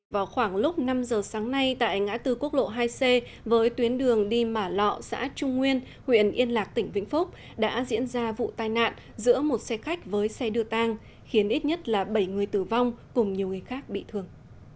vào khoảng lúc năm giờ sáng nay tại ngã tư quốc lộ hai c với tuyến đường đi mả lọ xã trung nguyên huyện yên lạc tỉnh vĩnh phúc đã diễn ra vụ tai nạn giữa một xe khách với xe đưa tang khiến ít nhất là bảy người tử vong cùng nhiều người khác bị thương